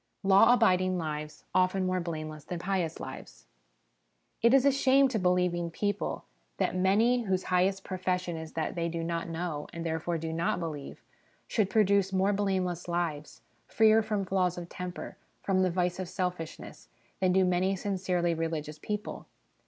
Law abiding Lives often more blameless than Pious Lives. It is a shame to believing people that many whose highest profession is that they do not know, and therefore do not believe, should produce more blameless lives, freer from flaws of temper, from the vice of selfishness, than do many sincerely religious people.